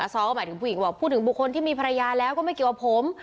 ซ้อหมายถึงผู้หญิงบอกพูดถึงบุคคลที่มีภรรยาแล้วก็ไม่เกี่ยวกับผม